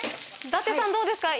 伊達さんどうですか？